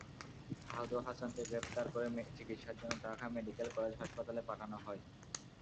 আহত হাসানকে গ্রেপ্তার করে চিকিৎসার জন্য ঢাকা মেডিকেল কলেজ হাসপাতালে পাঠানো হয়।